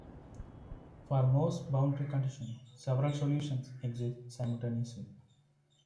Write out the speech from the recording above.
For most boundary conditions several solutions exist simultaneously.